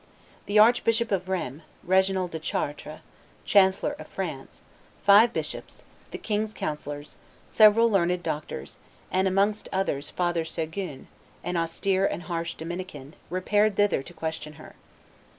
The Archbishop of Rheims, Reginald de Chartres, Chancellor of France, five bishops, the king's councillors, several learned doctors, and amongst others Father Seguin, an austere and harsh Dominican, repaired thither to question her.